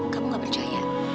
kamu gak percaya